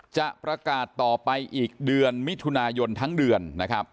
จะประกาศต่อไปอีกเดือนมิถุนายนทั้งเดือนนะครับ